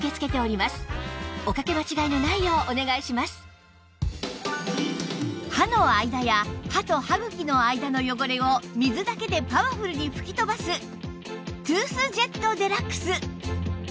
さらに歯の間や歯と歯茎の間の汚れを水だけでパワフルに吹き飛ばすトゥースジェット ＤＸ